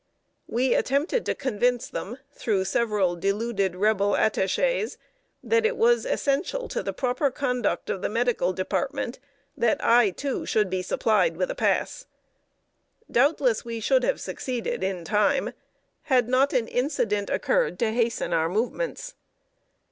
We attempted to convince them, through several deluded Rebel attachés, that it was essential to the proper conduct of the medical department that I too should be supplied with a pass. Doubtless we should have succeeded in time, had not an incident occurred to hasten our movements.